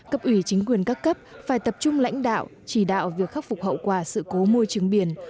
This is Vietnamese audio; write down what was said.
cấp ủy chính quyền các cấp phải tập trung lãnh đạo chỉ đạo việc khắc phục hậu quả sự cố môi trường biển